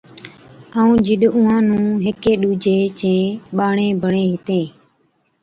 ائُون جِڏَ اُونھان نُون ھيڪي ڏُوجي چين ٻاڙي بَڻين ھِتين